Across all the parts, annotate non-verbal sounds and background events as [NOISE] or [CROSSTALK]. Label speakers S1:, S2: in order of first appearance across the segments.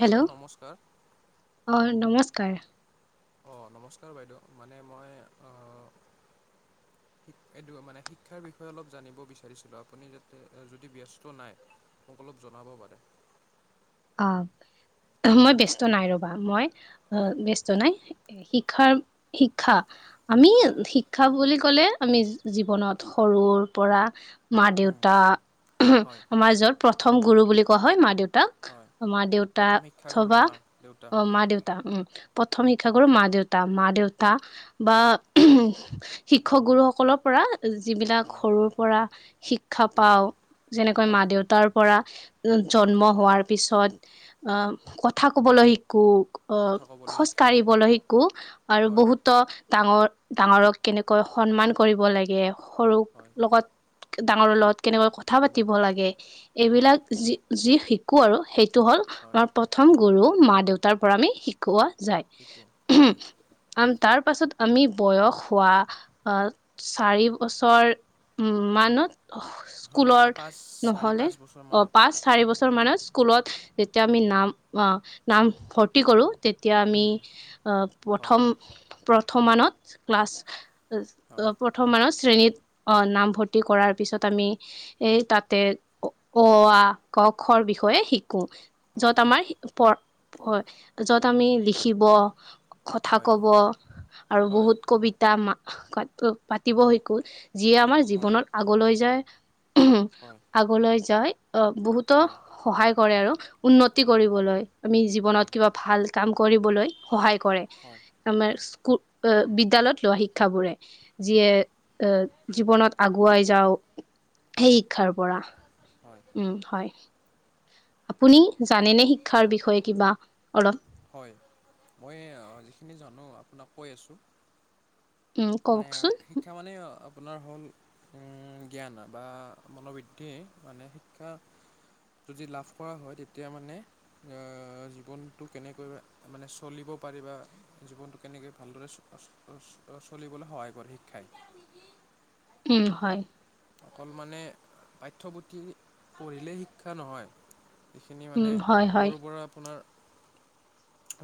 S1: Hello, নমস্কাৰ।
S2: অঁ, নমস্কাৰ।
S1: অঁ, নমস্কাৰ বাইদেউ। মানে মই অঁ - এইটো মানে শিক্ষাৰ বিষয়ে অলপ জানিব বিচাৰিছিলোঁ আপুনি যাতে যদি ব্যস্ত নাই। মোক অলপ জনাব পাৰে।
S2: অঁ, মই ব্যস্ত নাই ৰবা, মই
S1: হয়
S2: অঁ- জনাই এ শিক্ষাৰ শিক্ষা আমি শি
S1: অঁ
S2: - শিক্ষা বুলি ক'লে আমি জীৱনত সৰুৰ পৰা - মা
S1: উম
S2: -দেউতা,
S1: হয়
S2: আমাৰ যত প্ৰথম গুৰু বুলি কোৱা হয় মা -দেউতাক।
S1: হয়
S2: মা -দেউতা
S1: প্ৰথম শিক্ষাগুৰু
S2: অথবা
S1: মা দেউতা
S2: অঁ,
S1: হয়
S2: মা -দেউতা, উম। প্ৰথম শিক্ষা গুৰু মা -দেউতা, মা -দেউতা বা - শিক্ষক গুৰুসকলৰ পৰা যিবিলাক
S1: হয়
S2: সৰুৰ পৰা - শিক্ষা
S1: হয়
S2: পাওঁ। যেনেকৈ মা
S1: হয়
S2: -দেউতাৰ পৰা জন্ম
S1: হয়
S2: হোৱাৰ - পিছত আহ কথা কবলৈ শিকোঁ। অঁ,
S1: কথা ক'বলৈ
S2: খোজ
S1: শিকা
S2: কাঢ়িবলৈ শিকোঁ আৰু
S1: হয়
S2: বহুতো - ডাঙৰ -ডাঙৰক কেনেকৈ সন্মান কৰিব লাগে, সৰু -
S1: হয়।
S2: লগত ডাঙৰ লগত কেনেকৈ কথা
S1: কিন্তু
S2: পাতিব লাগে
S1: হয়
S2: এইবিলাক যি যি শিক্ষ - শিকোঁ আৰু সেইটো হ'ল
S1: হয়
S2: আমাৰ প্ৰথম গুৰু মা- দেউতাৰ পৰা আমি শিকোৱা যায়।
S1: শিকোঁ, হয়।
S2: কাৰণ তাৰ পাছত আমি বয়স হোৱা আহ চাৰি বছৰ - উম, মানত
S1: হয় বা
S2: স্কুলৰ
S1: পাঁচ চাৰি
S2: নহলে
S1: পাঁচ
S2: অঁ,
S1: বছৰমানত
S2: পাঁচ - চাৰি বছৰমানত স্কুলত যেতিয়া আমি নাম নাম ভৰ্তি কৰোঁ - তেতিয়া আমি
S1: উম,
S2: অঁ,
S1: হয়
S2: প্ৰথম প্ৰথমানত ক্লাছ
S1: হয়
S2: - প্ৰথম আৰু শ্ৰেণীত অঁ, নামভৰ্তি কৰাৰ পিছত আমি - এই তাতে অ, আ, ক, খ বি- হয় শিকো।
S1: হয়
S2: য'ত আমাৰ পঢ় হয়, য'ত আমি লিখিব -
S1: হয়
S2: কথা
S1: হয়
S2: কব আৰু
S1: হয়
S2: বহুত কবিতা মা মাতিব শিকোঁ। যিয়ে আমাৰ
S1: হয়
S2: জীৱনত আগলৈ যায়, আগলৈ যায় আহ বহুতো
S1: হয়
S2: - সহায় কৰে আৰু উন্নতি
S1: হয়
S2: কৰিবলৈ, আমি
S1: হয়
S2: জীৱনত কিবা ভাল কাম কৰিবলৈ - সহায় কৰে,
S1: হয়
S2: আমাৰ
S1: হয়
S2: স্কুল আ বিদ্যালয়ত লোৱা শিক্ষাবোৰে যিয়ে
S1: হয়
S2: এ জীৱনত আগুৱাই যাওঁ। সেই
S1: হয়
S2: শিক্ষাৰ পৰা
S1: হয়
S2: উম হয়। আপুনি জানেনে শিক্ষা বিষয়ে কিবা অলপ?
S1: হয় মই আ যিখিনি জানো আপোনাক কৈ আছোঁ।
S2: উম
S1: মানে আ
S2: কওকচোন
S1: শিক্ষা মানে আ পোনাৰ হ'ল উম জ্ঞান বা মনোবৃদ্ধি মানে শিক্ষা যদি লাভ কৰা হয় তেতিয়া মানে আ জীৱনটোক কেনেকৈ মানে চলিব পাৰিবা। জীৱনটো কেনেকৈ ভালদৰে চ চ চ চলিবলৈ সহায় কৰে শিক্ষাই।
S2: উম হয়।
S1: অকল মানে পাঠ্যপুথি পঢ়িলে শিক্ষা নহয়। এইখিনি
S2: উম
S1: মানে
S2: হয় হয়
S1: সৰুৰ পৰা আপোনাৰ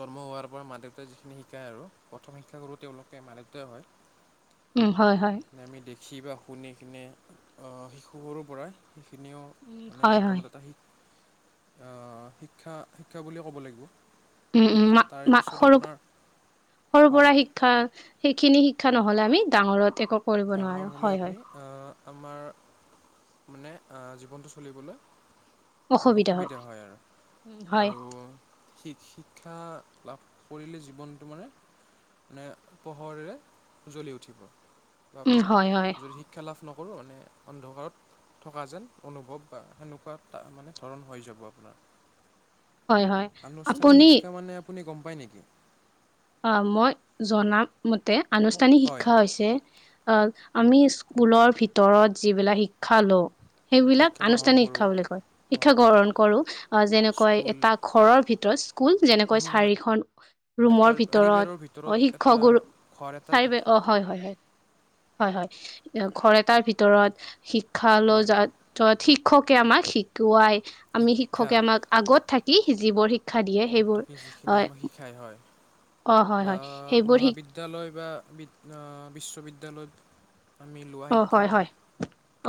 S1: জন্ম হোৱাৰ পৰা মা - দেউতাই যিখিনি শিকায় আৰু প্ৰথম শিক্ষাগুৰু তেওঁলোকে মা দেউতাই হয়।
S2: উম হয় হয়।
S1: না আমি দেখি বা শুনি কিনে অ শিশু অৰ পৰা সেইখিনিও
S2: উম
S1: মানে
S2: হয় হয়
S1: জীৱনত এটা শিক অ শিক্ষা শিক্ষা বুলিয়ে ক'ব লাগিব।
S2: উম উম
S1: মানে
S2: মা
S1: তাৰে
S2: মা
S1: পিছত
S2: সৰু প
S1: আপোনাৰ
S2: সৰুৰ
S1: হয়
S2: পৰা শিক ক্ষা সেইখিনি শিক্ষা নহ'লে আমি ডাঙৰত একো কৰিব নোৱাৰো
S1: ডাঙৰ হ'লে
S2: হয়, হয়।
S1: আপুনি আ আমাৰ মানে আ জীৱনটো চলিবলৈ মানে অসুবিধা হয় আৰু,
S2: উম হয়,
S1: আৰু শি শিক্ষা লাভ কৰিলে জীৱনটো মানে মানে পোহৰেৰে উজ্বলি উঠিব। বা
S2: উম, হয়, হয়,
S1: যদি শিক্ষা লাভ নকৰোঁ মানে অন্ধকাৰত থকা যেন অনুভৱ বা সেনেকুৱা তা মানে ধৰণ হৈ যাব আপোনাৰ।
S2: হয়, হয়।
S1: আনুষ্ঠানিক
S2: আপুনি
S1: শিক্ষা মানে আপুনি গম পায় নেকি?
S2: অ মই জনা মতে আনুষ্ঠানিক
S1: হয়
S2: শিক্ষা হৈছে অ আমি স্কুলৰ ভিতৰত যিবিলাক শিক্ষা লওঁ সেইবিলাক
S1: শিক্ষা গ্ৰহণ
S2: আনুষ্ঠানিক শিক্ষা
S1: কৰোঁ
S2: বুলি কয়, শিক্ষা
S1: হয়
S2: গ্ৰহণ কৰো অ যেনেকৈ
S1: স্কুল
S2: তাক ঘৰৰ ভিতৰত স্কুল যেনেকৈ
S1: ৰুম
S2: চাৰিখন ৰুমৰ
S1: এটাৰ
S2: ভিত তৰত
S1: চাৰিবেৰৰ ভিতৰত
S2: অ শিক্ষক
S1: এটা
S2: গুৰু
S1: ঘৰ এটাৰ
S2: চাৰি বেৰ
S1: ভিতৰত
S2: অ। হয় হয় হয়, হয় হয় অ ঘৰ এটাৰ ভিতৰত শিক্ষা লৈ
S1: হয়
S2: যা তত শিক্ষকে আমাক শিকোৱাই, আমি
S1: শিক্ষা
S2: শিক্ষকে আমাক আগত থাকি যিবোৰ শি
S1: মতথকি যিখিনি আমাক শিকাই হয়
S2: অ হয়
S1: বা
S2: হয় সেইবোৰ শিক
S1: মহাবিদ দ্যালয় বা বিদ অ বিশ্ববিদ্যালয়ত আমি লোৱা
S2: অ
S1: শিক্ষা
S2: হয় হয়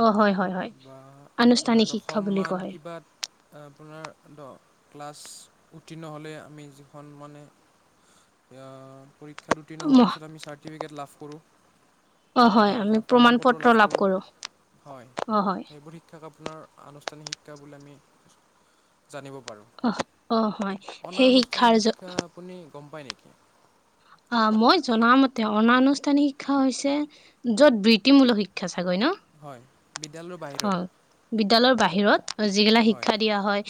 S2: অ হয় হয় হয়
S1: বা আপোনাৰ
S2: আনুষ্ঠানিক শিক্ষা বুলি
S1: দশমমান
S2: কোৱা
S1: কিবাত আপোনাৰ দ ক্লাছ উত্তীৰ্ণ হ'লে আমি যিখন মানে আ পৰীক্ষাত উত্তীৰ্ণ
S2: হয়
S1: হোৱাৰ পিছত আমি চা টিফিকেট লাভ কৰোঁ।
S2: অ হয়
S1: বা
S2: আমি
S1: আপোনাক প্ৰমাণ পত্ৰ লাভ কৰোঁ,
S2: কৰো
S1: হয়
S2: অ হয়
S1: সেইবোৰ শিক্ষাক আপোনাৰ আনুষ্ঠানিক শিক্ষা বুলি আমি জানিব পাৰোঁ।
S2: অ অ হয়।
S1: অনা
S2: সেই
S1: - আনুষ্ঠানিক
S2: শিক্ষাৰ
S1: শিক্ষা আপুনি গম পায় নেকি?
S2: আ
S1: অলপমান
S2: মই জনা মতে অনা আনুষ্ঠানিক শিক্ষা হৈছে য'ত বৃত্তিমূলক শিক্ষা চাগৈ ন।
S1: হয় বিদ্যালয়ৰ বাহিৰত
S2: অ' বিদ্যালয়ৰ বাহিৰত যিগিলাক
S1: হয়
S2: শিক্ষা দিয়া হয়।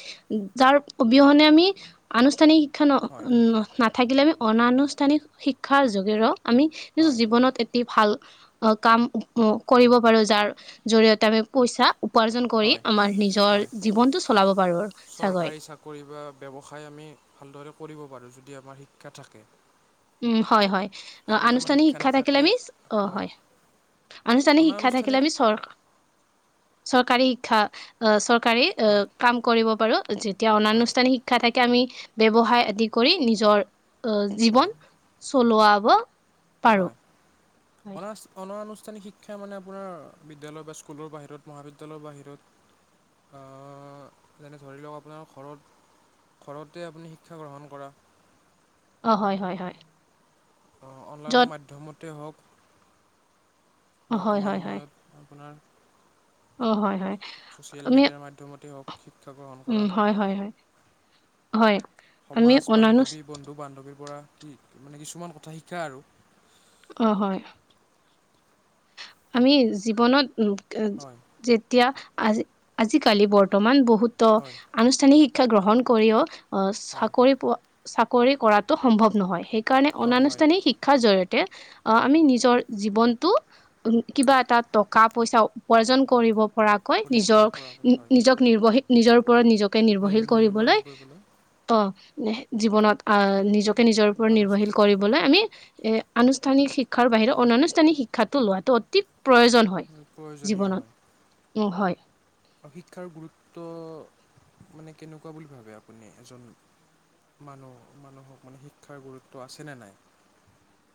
S2: যাৰ অবিহনে আমি আনুষ্ঠানিক শিক্ষা ন
S1: হয়
S2: নাথাকিলে আমি অনানুষ্ঠানিক শিক্ষাৰ যোগে ৰ আমি নিজৰ
S1: হয়
S2: জীৱনত অতি ভাল কাম কৰিব পাৰো যাৰ জৰিয়তে আমি পইচা উপাৰ্জন কৰি
S1: হয়
S2: আমাৰ নিজৰ
S1: হয়
S2: জীৱনটো চলাব পাৰো চাগৈ।
S1: কৰিবা ব্যৱসায় আমি ভালদৰে কৰিব পাৰো যদি আমাৰ শিক্ষা থাকে।
S2: উম, হয়, হয়
S1: যদি আমাৰ
S2: আনুষ্ঠানিক শিক্ষা থাকিলে
S1: নাথাকে
S2: আমি অ' হয়। আনুষ্ঠানিক শিক্ষা থাকিলে
S1: অনানুষ্ঠানিক
S2: আমি চৰ চৰকাৰী শিক্ষা আহ, চৰকাৰী অ'
S1: হয়
S2: কাম কৰিব পাৰো যেতিয়া
S1: হয়
S2: অনানুষ্ঠানিক শিক্ষা শিক্ষা থাকে আমি ব্যৱসায় আদি কৰি নিজৰ আহ,
S1: হয়
S2: জীৱন চলোৱাব পাৰো।
S1: হয় অনা অনানুষ্ঠানিক শিক্ষা মানে আপোনাৰ বিদ্যালয় বা স্কুলৰ বাহিৰত মহাবিদ্যালয়ৰ বাহিৰত অ' যেনে ধৰি লওক আপোনাৰ ঘৰত ঘৰতে আপুনি শিক্ষা গ্ৰহণ কৰা।
S2: অ' হয়, হয়, হয়।
S1: অ' অনলাইনৰ
S2: য'ত
S1: মাধ্যমতে হওক
S2: অঁ হয়
S1: বৰ্তমান
S2: হয় হয়
S1: সময়ত আপোনাৰ
S2: অঁ হয় হয়
S1: ছ'চিয়েল
S2: আমি
S1: মিডিয়াৰ মাধ্যমতে হওক। শিক্ষা গ্ৰহণ কৰা
S2: উম হয় হয় হয় হয় আমি
S1: সমাজ বান্ধৱী
S2: অনানুষ্ঠা
S1: বন্ধু বান্ধৱীৰ পৰা কি মানে কিছুমান কথা শিকা আৰু।
S2: অ' হয়। আমি জীৱনত [UNINTELLIGIBLE]
S1: হয়
S2: যেতিয়া আজ আজিকালি বৰ্তমান বহুত
S1: হয়
S2: আনুষ্ঠানিক শিক্ষা গ্ৰহণ কৰিও অ'
S1: হয়
S2: চাকৰি পোৱা চাকৰি কৰাতো সম্ভৱ নহয় সেই কাৰণে
S1: হয় হয়
S2: অনানুষ্ঠানিক শিক্ষাৰ জৰিয়তে আহ আমি নিজৰ জীৱনটো উম, কিবা এটা টকা পইচা উপাৰ্জন কৰিব পৰাকৈ নিজৰ,
S1: পৰিবৰ পৰা হয়
S2: নিজৰ নিৰ্ভশীল নিজৰ ওপৰত নিজকে নিৰ্ভৰশীল কৰিবলৈ ত' জীৱনত আহ নিজকে নিজৰ ওপৰত নিৰ্ভৰশীল
S1: আনুষ্ঠানিক
S2: কৰিবলৈ আমি এ আনুষ্ঠানিক শিক্ষাৰ বাহিৰে অনানুষ্ঠানিক শিক্ষাটো লোৱাটো অতি প্ৰয়োজন। হয়
S1: প্ৰয়োজনীয়
S2: জীৱনত
S1: হয়
S2: উম, হয়।
S1: আৰু শিক্ষাৰ গুৰুত্ব মানে কেনেকুৱা বুলি ভাবে আপুনি এজন মানুহ, মানুহক মানে শিক্ষাৰ গুৰুত্ব আছেনে নাই?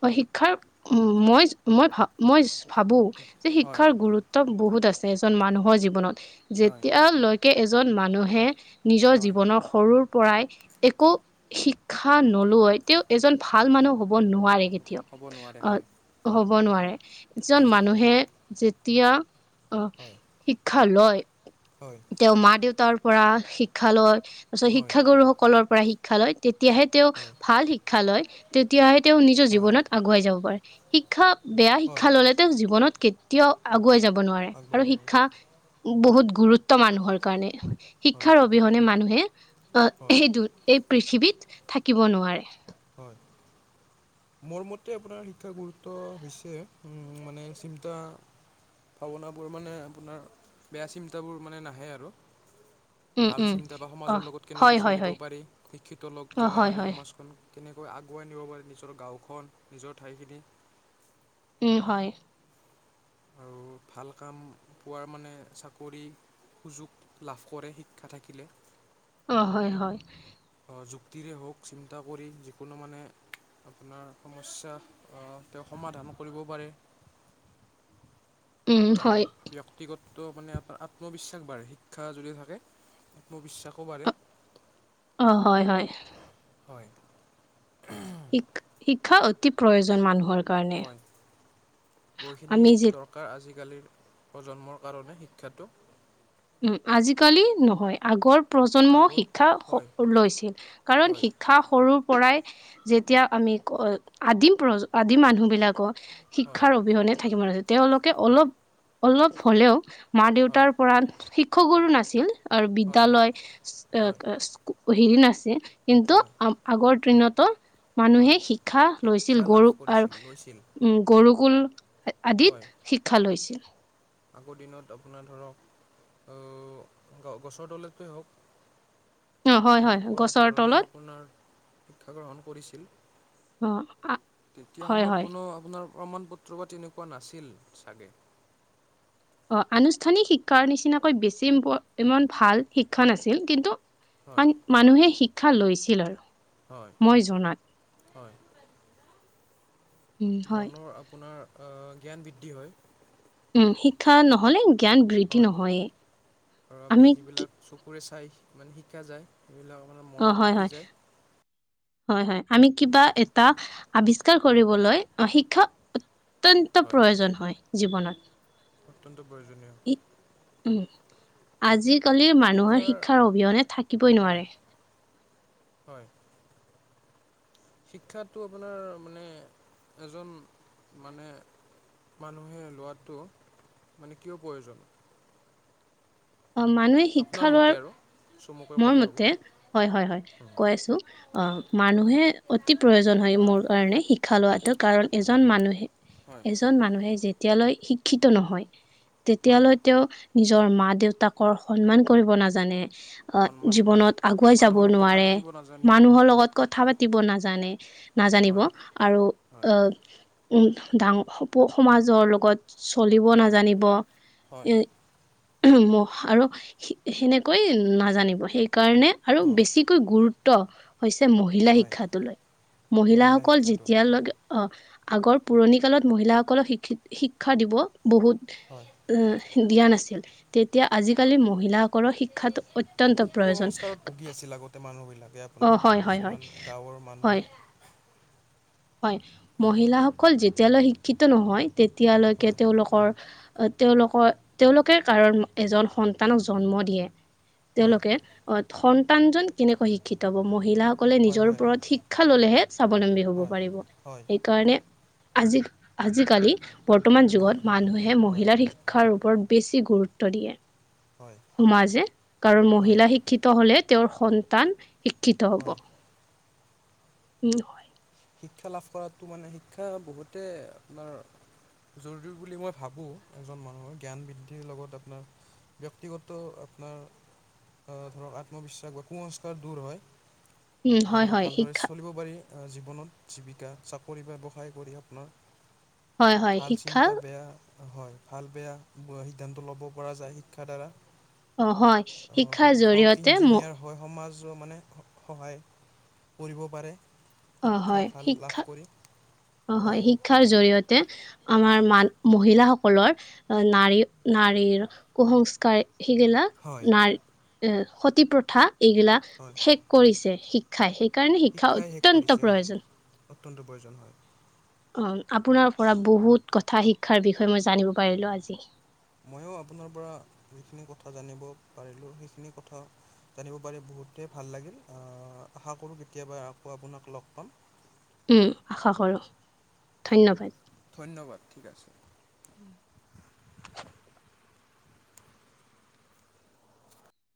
S2: অ' শিক্ষাৰ উম, মই-মই ভা মই ভাবো যে
S1: হয়
S2: শিক্ষাৰ গুৰুত্ব বহুত আছে এজন মানুহৰ জীৱনত
S1: হয়
S2: যেতিয়ালৈকে এজন মানুহে নিজৰ
S1: হয়
S2: জীৱনক সৰুৰ পৰাই একো শিক্ষা নলোৱ তেওঁ এজন ভাল মানুহ হ'ব নোৱাৰে। কেতিয়াও
S1: ক'ব নোৱাৰে হয়
S2: আহ হব নোৱাৰে এজন
S1: হয়
S2: মানুহে যেতিয়া অ'
S1: হয়
S2: শিক্ষা লয়।
S1: হয়।
S2: তেওঁ মা-দেউতাৰ পৰা শিক্ষা লয় তাৰপিছত
S1: হয়
S2: শিক্ষা গুৰুসকলৰ পৰা শিক্ষা লয়। তেতিয়াহে তেওঁ
S1: হয়
S2: ভাল শিক্ষা লয় তেতিয়াহে তেওঁ নিজৰ
S1: হয়
S2: জীৱনত আগুৱাই যাব পাৰে। শিক্ষা বেয়া
S1: হয়
S2: শিক্ষা ললে তেওঁ জীৱনত কেতিয়াও আগুৱাই যাব নোৱাৰে।
S1: আগবাঢ়িব
S2: আৰু শিক্ষা বহুত গুৰুত্ব মানুহৰ কাৰণে
S1: হয়
S2: শিক্ষাৰ অবিহনে মানুহে আহ
S1: হয়
S2: এইটো এই পৃথিৱীত থাকিব নোৱাৰে।
S1: হয় মোৰ মতে আপোনাৰ শিক্ষা গুৰুত্ব হৈছে উম মানে চিন্তা ভাৱনাবোৰ মানে আপোনাৰ বেয়া চিন্তাবোৰ মানে নাহে আৰু
S2: উম
S1: ভাল
S2: উম
S1: চিন্তা বা
S2: অ
S1: সমাজৰ লগত কেনেকে
S2: হয় হয়
S1: চলিব
S2: হয়
S1: পাৰি শিক্ষিত লোক
S2: অ
S1: জনে
S2: হয়
S1: মানে
S2: হয়
S1: সমাজখন কেনেকৈ আগুৱাই নিব পাৰি নিজৰ গাঁওখন নিজৰ ঠাইখিনি
S2: উম হয়
S1: আৰু ভাল কাম পোৱাৰ মানে চাকৰি সুযোগ লাভ কৰে শিক্ষা থাকিলে
S2: অ হয় হয়
S1: অ যুক্তিৰে হওক চিন্তা কৰি যিকোনো মানে আপোনাৰ সমস্যা আ তেওঁ সমাধান কৰিব পাৰে
S2: উম
S1: আৰু
S2: হয়
S1: ব্যক্তিগত মানে আত্মবিশ্বাস বাঢ়ে শিক্ষা যদি থাকে আত্মবিশ্বাসও বাঢ়ে
S2: অ হয় হয়
S1: হয়
S2: শিক শিক্ষা অতি প্ৰয়োজন মানুহৰ কাৰণে
S1: হয় বহুখিনি
S2: আমি যে
S1: দক কাৰ আজিকালিৰ প্ৰজন্মৰ কাৰণে শিক্ষাটো
S2: উম আজিকালি নহয় আগৰ প্ৰজন্ম
S1: আগৰ
S2: শিক্ষা
S1: হয়
S2: লৈছিল কাৰণ
S1: হয়
S2: শিক্ষা সৰু পৰাই যেতিয়া আমি আদিম প্ৰ আদিম মানুহ বিলাকো
S1: হয়
S2: শিক্ষাৰ অবিহনে থাকিব নোৱাৰিছিল, তেওঁলোকে অলপ অলপ হ'লেও মা
S1: হয়
S2: দেউতাৰ পৰা শিক্ষা গুৰু নাছিল আৰু
S1: হয়
S2: বিদ্যালয় অ
S1: হয়
S2: হেৰি নাছিল। কিন্তু
S1: হয়
S2: ‌আ আগৰ দিনটো।
S1: হয়
S2: মানুহে শিক্ষা
S1: শিক্ষা
S2: লৈছিল
S1: লাভ
S2: গুৰু আৰু
S1: কৰিছিল লৈছিল
S2: উম, গুৰু কুল
S1: হয়
S2: আদিত। শিক্ষা লৈছিল।
S1: আগৰ দিনত আপোনাৰ ধৰক আও গছৰ তলতে হওক
S2: অ হয় হয়
S1: তেনেকুৱা
S2: গছৰ
S1: ধৰণে
S2: তলত
S1: আপোনাৰ শিক্ষা গ্ৰহণ কৰিছিল।
S2: অ
S1: তেতিয়া
S2: হয়
S1: সময়ত
S2: হয়
S1: কোনো আপোনাৰ প্ৰমাণ পত্ৰ বা তেনেকুৱা নাছিল চাগে।
S2: অ' আনুষ্ঠানিক শিক্ষাৰ নিচিনাকৈ বেছি ইমান ভাল শিক্ষা নাছিল কিন্তু
S1: হয়
S2: অকমান মানুহে শিক্ষা লৈছিল আৰু।
S1: হয়,
S2: মই জনাত
S1: হয়।
S2: উম হয়
S1: মনৰ আপোনাৰ আ জ্ঞান বৃদ্ধি হয়।
S2: উম, শিক্ষা নহলে জ্ঞান বৃদ্ধি
S1: হয়
S2: নহয়ে
S1: আৰু
S2: আমি
S1: যিবিলাক চকুৰে চাই মানে শিকা যায়, সেইবিলাক মানে
S2: অ
S1: মনত
S2: হয়
S1: থাকি
S2: হয়
S1: যায়।
S2: হয়, হয় আমি কিবা এটা আৱিষ্কাৰ কৰিবলৈ অ শিক্ষা অত্যন্ত
S1: হয়
S2: প্ৰয়োজন হয় জীৱনত।
S1: অত্যন্ত প্ৰয়োজনীয়।
S2: উম আজিকালিৰ মানুহৰ শিক্ষাৰ অবিহনে থাকিবই
S1: হয়
S2: নোৱাৰে।
S1: হয়। শিক্ষাটো আপোনাৰ মানে এজন মানে মানুহে লোৱাটো মানে কিয় প্ৰয়োজন
S2: অ মানুহে
S1: আপোনাৰ
S2: শিক্ষা
S1: মতে
S2: লোৱাৰ
S1: আৰু চমুকৈ
S2: মোৰ
S1: ক'লে হ'ব
S2: মতে হয়, হয়, হয় কৈ আছো আহ মানুহে অতি প্ৰয়োজন হয়, মোৰ কাৰণে শিক্ষা লোৱাটো
S1: শিক্ষা
S2: কাৰণ
S1: লোৱা
S2: এজন মানুহে
S1: হয়
S2: এজন মানুহে যেতিয়ালৈ শিক্ষিত নহয়,
S1: হয়
S2: তেতিয়ালৈ তেওঁ নিজৰ মা-দেউতা দেউতাকৰ সন্মান কৰিব নাজানে। আহ,
S1: সন্মান হয়
S2: জীৱনত আগুৱাই যাব
S1: মানুহৰ লগত কথা
S2: নোৱাৰে,
S1: পাতিব নাজানিব
S2: মানুহৰ লগত কথা পাতিব নাজানে। নাজানিব
S1: হয়
S2: আৰু
S1: হয়
S2: আহ উম, ডাঙৰ সপো সমাজৰ লগত চলিব
S1: হয়
S2: নাজানিব
S1: হয়
S2: এ [UNINTELLIGIBLE] আৰু সে-সেনেকৈ নাজানিব সেই সেইকাৰণে আৰু
S1: অ
S2: বেছি কৈ গুৰুত্ব হৈছে মহ মহিলা
S1: হয়
S2: শিক্ষা লয়,
S1: মহিলা
S2: মহিলাসকল
S1: শিক্ষাটো
S2: যেতিয়ালৈকে অহ, আগৰ পুৰণি কালত মহিলাসকলক শিক্ষিত-শিক্ষা দিব বহুত
S1: হয়
S2: দিয়া নাছিল তে আজিকালি মহিলাসকলৰ শিক্ষাতো
S1: কু
S2: অত্যন্ত প্ৰয়োজন।
S1: কুসংস্কাৰত ভুগি আছিল আগতে মানুহবিলাকে আপোনাৰ
S2: অঁ হয় হয় হয়
S1: কিছুমান গাঁৱৰ
S2: হয়
S1: মানুহে
S2: হয়, মহিলাসকল যেতিয়ালৈ শিক্ষিত নহয় তেতিয়ালৈকে
S1: হয়
S2: তেওঁলোকৰ তেওঁলোকৰ-তেওঁলোকে কাৰন এজন সন্তানক জন্ম দিয়ে।
S1: হয়
S2: তেওঁলোকে অহ, সন্তানজন কেনেকৈ শিক্ষিত হ'ব, মহিলাসকলে
S1: হয়
S2: নিজৰ
S1: হয়
S2: ওপৰত শিক্ষা ল'লেহে স্বাৱলম্বী হব'। হ'ব
S1: হয়
S2: পাৰিব।
S1: হয়
S2: সেইকাৰণে আজি-আজিকালি বৰ্তমান
S1: হয়
S2: যুগত মানুহে
S1: হয়
S2: মহিলাৰ শিক্ষাৰ ওপৰত বেছি গুৰুত্ব দিয়ে।
S1: হয়,
S2: সমাজে, কাৰণ
S1: হয়,
S2: মহিলা শিক্ষিত হ'লে তেওঁৰ সন্তান শিক্ষিত হ'ব
S1: হয়।
S2: উম। হয়
S1: শিক্ষা লাভ কৰাটো মানে শিক্ষা বহুতে আপোনাৰ জৰুৰী বুলি মই ভাবোঁ, এজন মানুহৰ জ্ঞান বৃদ্ধিৰ লগত আপোনাৰ ব্যক্তিগত আপোনাৰ ধৰক আত্মবিশ্বাস বা কুসস্কাৰ দূৰ হয়
S2: উম হয়
S1: আৰু
S2: হয়
S1: ভালদৰে
S2: শিক্ষা
S1: চলিব পাৰি। জীৱনত, জীৱিকা, চাকৰি ব্যৱসায় কৰি আপোনাৰ
S2: হয় হয়
S1: ভাল
S2: শিক্ষা
S1: চিন্তা, বেয়া হয়, ভাল বেয়া সিদ্ধান্ত ল'ব পৰা যায় শিক্ষাৰ দ্বাৰা।
S2: অ হয়
S1: অহ,
S2: শিক্ষাৰ
S1: শিক্ষক,
S2: জৰিয়তে ম
S1: ইঞ্জিনিয়াৰ হয়, সমাজো মানে, স-সহায় কৰিব পাৰে।
S2: অহ,
S1: শিক্ষা
S2: হয়।
S1: ভাল লাভ
S2: শিক্ষা
S1: কৰি
S2: অহ, হয়। শিক্ষাৰ জৰিয়তে আমাৰ মান-মহিলাসকলৰ নাৰী-নাৰীৰ কুসংস্কাৰ সিগিলা
S1: হয়
S2: নাৰী, এ সতি প্ৰথা এইবিলাক
S1: হয়
S2: শেষ কৰিছে শিক্ষাই। শি সেইকাৰণে শিক্ষা
S1: শিক্ষাই শেষ
S2: অত্যন্ত
S1: কৰিছে হয়
S2: প্ৰয়োজন।
S1: অত্যন্ত প্ৰয়োজন হয়।
S2: অহ, আপোনাৰ পৰা বহুত কথা শিক্ষাৰ বিষয়ে মই জানিব পাৰিলোঁ আজি।
S1: মইয়ো আপোনাৰ পৰা যিখিনি কথা জানিব পাৰিলোঁ, সেইখিনি কথা জানিব পাৰি বহুতেই ভাল লাগিল, আহ আশা কৰোঁ কেতিয়াবা আকৌ আপোনাক লগ পাম।
S2: উম, আশা কৰোঁ, ধন্যবাদ।
S1: ধন্যবাদ, ঠিক আছে।
S2: উম। [UNINTELLIGIBLE]